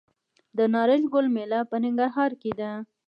د نارنج ګل میله په ننګرهار کې ده.